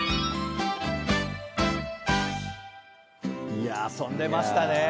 いや遊んでましたね。